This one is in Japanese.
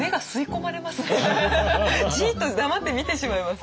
じっと黙って見てしまいます。